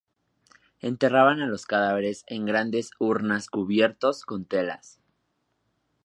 Enterraban a los cadáveres en grandes urnas cubiertos con telas.